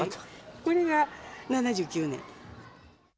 これは７９年。